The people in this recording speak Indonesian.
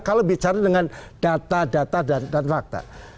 kalau bicara dengan data data dan fakta